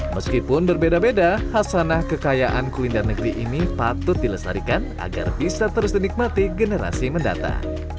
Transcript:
meskipun berbeda beda khasanah kekayaan kuliner negeri ini patut dilestarikan agar bisa terus dinikmati generasi mendatang